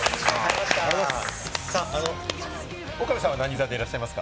岡部さんは何座でいらっしゃいますか？